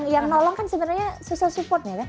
yang nolong kan sebenarnya susah support ya kan